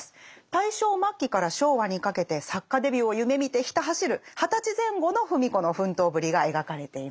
大正末期から昭和にかけて作家デビューを夢みてひた走る二十歳前後の芙美子の奮闘ぶりが描かれています。